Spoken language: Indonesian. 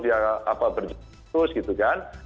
dia berjalan terus gitu kan